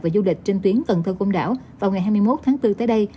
và du lịch trên tuyến cần thơ công đảo vào ngày hai mươi một tháng bốn tới đây